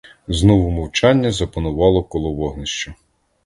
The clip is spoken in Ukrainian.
Знову мовчання запанувало коло вогнища.